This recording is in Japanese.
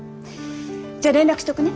じゃあ連絡しとくね。